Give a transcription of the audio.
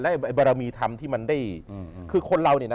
ไอ้บารมีธรรมที่มันได้คือคนเราเนี่ยนะ